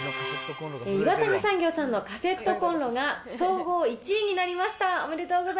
岩谷産業さんのカセットコンロが、総合１位になりました。